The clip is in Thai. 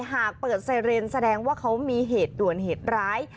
หากเปิดไซเรนแสดงว่าเขามีเหตุด่วนเหตุร้าย